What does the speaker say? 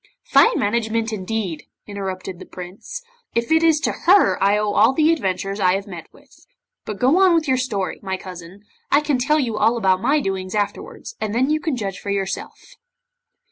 'Fine management, indeed,' interrupted the Prince, 'if it is to her I owe all the adventures I have met with! But go on with your story, my cousin. I can tell you all about my doings afterwards, and then you can judge for yourself.